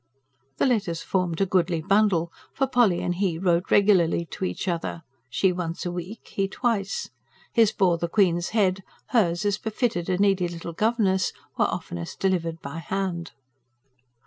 The letters formed a goodly bundle; for Polly and he wrote regularly to each other, she once a week, he twice. His bore the Queen's head; hers, as befitted a needy little governess, were oftenest delivered by hand.